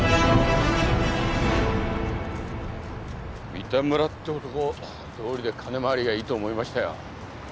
三田村って男どうりで金回りがいいと思いましたよ。